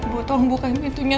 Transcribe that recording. bu tolong bukain pintunya